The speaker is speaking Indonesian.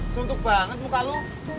sungtuk banget muka lu